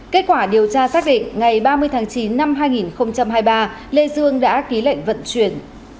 kết quả điều tra xác định ngày ba mươi tháng chín năm hai nghìn hai mươi ba lê dương đã ký lệnh vận chuyển